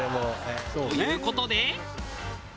という事で。